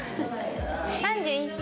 ３１歳？